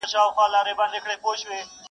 انسانيت له ازموينې تېريږي سخت.